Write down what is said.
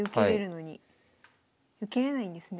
受けれないんですね。